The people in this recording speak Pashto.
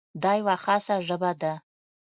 دا یوه خاصه ژبه ده.